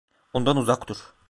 Ondan uzak dur!